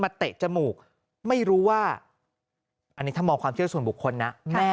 เตะจมูกไม่รู้ว่าอันนี้ถ้ามองความเชื่อส่วนบุคคลนะแม่